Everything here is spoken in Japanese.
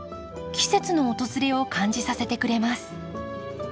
季節の訪れを感じさせてくれます。